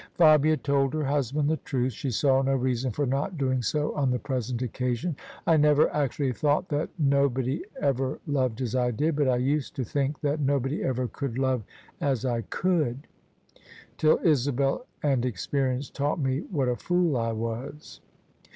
Fabia told her husband the truth. She saw no reason for not doing so on the present occasion. " I never actually thought that nobody ever loved as I did: but I used to think that nobody ever could love as I could, till Isabel and e3q)erience taught me what a fool I was."